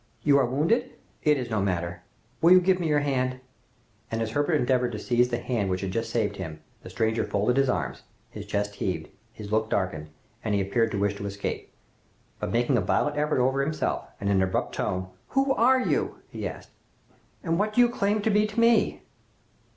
"You are wounded?" "It is no matter." "Will you give me your hand?" And as Herbert endeavored to seize the hand which had just saved him, the stranger folded his arms, his chest heaved, his look darkened, and he appeared to wish to escape, but making a violent effort over himself, and in an abrupt tone, "Who are you?" he asked, "and what do you claim to be to me?"